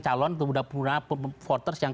calon itu sudah punya forters yang